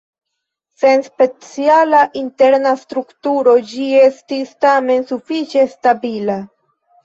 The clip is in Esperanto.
Sen speciala interna strukturo ĝi estis tamen sufiĉe stabila.